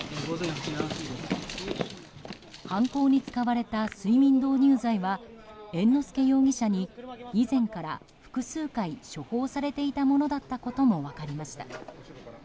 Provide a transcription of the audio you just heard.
犯行に使われた睡眠導入剤は猿之助容疑者に以前から複数回処方されていたものだったことも分かりました。